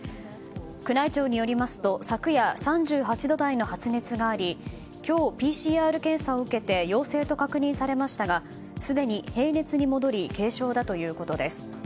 宮内庁によりますと昨夜、３８度台の発熱があり今日、ＰＣＲ検査を受けて陽性と確認されましたがすでに平熱に戻り軽症だということです。